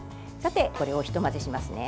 これをひと混ぜしますね。